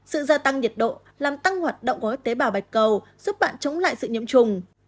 sự gia tăng nhiệt độ làm tăng hoạt động của các tế bào bạch cầu giúp bạn chống lại sự nhiễm trùng